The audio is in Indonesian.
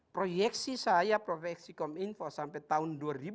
proyeksi saya proyeksi kominfo sampai tahun dua ribu dua puluh